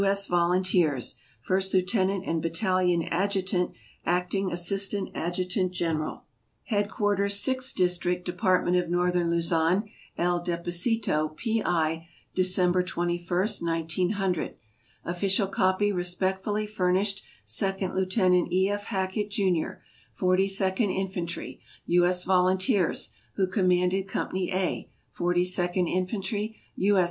S. Volunteers, First Lieutenant and Battalion Adjutant, Acting Assistant Adjutant General. SKETCHES OF TRAVEL Headquarters Sixth District, Department of Northern Luzon, El Deposito, P. I., December 21, 1900. Official copy respectfully furnished Second Lieu tenant E. F. Hackett, Jr., Forty second Infantry, U. S. Volunteers, who commanded Company A, Forty second Infantry, U. S.